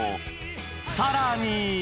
さらに。